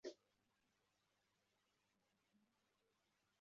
Imbwa irimo gucukura mu mucanga munsi y'ibyatsi